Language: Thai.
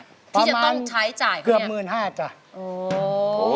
ที่จะต้องใช้จ่ายครับเนี่ยประมาณเกือบหมื่นห้าท่าโอ้โฮ